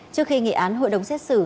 trước khi nghị án hội đồng xét xử